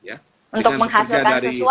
untuk menghasilkan sesuatu